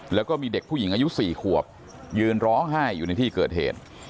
แล้วก็มีเด็กผู้หญิงอายุ๔ขวบยืนร้องไห้อยู่ในที่เกิดเหตุ